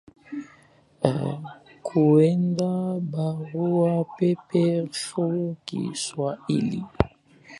kuenda barua pepe rfi kiswahili